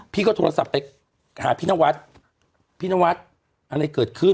พี่ก็โทรศัพท์ไปหาพี่นวัดพี่นวัดอะไรเกิดขึ้น